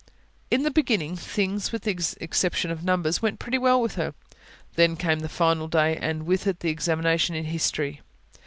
In the beginning, things, with the exception of numbers, went pretty well with her. Then came the final day, and with it the examination in history.